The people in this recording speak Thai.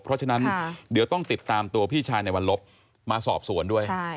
เพราะฉะนั้นเดี๋ยวต้องติดตามตัวพี่ชายในวันลบมาสอบสวนด้วย